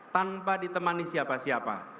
tanpa ditemani siapa siapa